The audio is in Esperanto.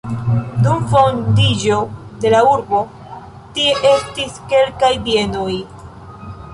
Dum fondiĝo de la urbo tie estis kelkaj bienoj.